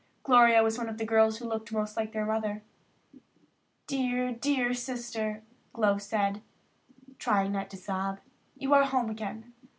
Gloria was the one of the girls who looked most like their mother. "Dear, dear Sister," Glow said, trying not to sob, "you are home again.